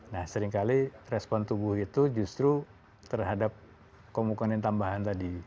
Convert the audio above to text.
nah seringkali respon tubuh itu justru terhadap komponen tambahan tadi